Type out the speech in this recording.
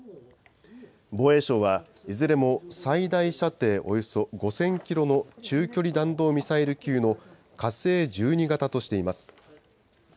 防衛省はいずれも最大射程およそ５０００キロの中距離弾道ミサイル級の火星１２型としています。